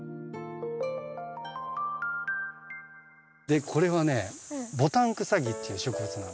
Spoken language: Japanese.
でこれはねボタンクサギっていう植物なんですよ。